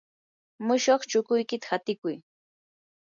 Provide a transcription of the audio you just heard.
mushuq chukuykita hatikuy.